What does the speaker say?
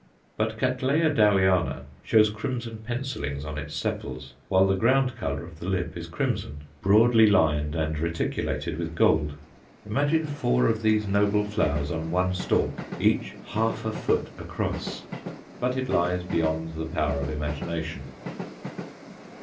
But Cattleya Dowiana shows crimson pencillings on its sepals, while the ground colour of the lip is crimson, broadly lined and reticulated with gold. Imagine four of these noble flowers on one stalk, each half a foot across! But it lies beyond the power of imagination.